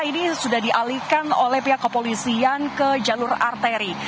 ini sudah dialihkan oleh pihak kepolisian ke jalur arteri